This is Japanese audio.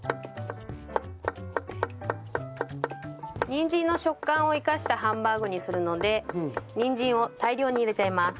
にんじんの食感を生かしたハンバーグにするのでにんじんを大量に入れちゃいます。